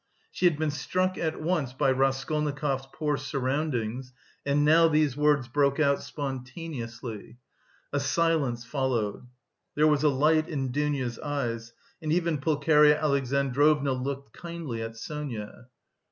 She had been struck at once by Raskolnikov's poor surroundings, and now these words broke out spontaneously. A silence followed. There was a light in Dounia's eyes, and even Pulcheria Alexandrovna looked kindly at Sonia.